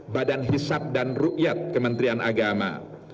badan hisap dan rukyat kementerian agama